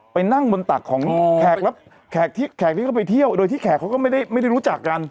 ไปนั่งบนตักของแขกรับแขกที่เขาไปเที่ยวโดยที่แขกเขาก็ไม่ได้รู้จักกัน